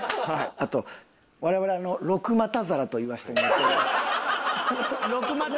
あと我々あの六股皿と言わせてもらっております。